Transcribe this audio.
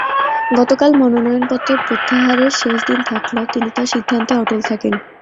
গতকাল মনোনয়নপত্র প্রত্যাহারের শেষ দিন থাকলেও তিনি তাঁর সিদ্ধান্তে অটল থাকেন।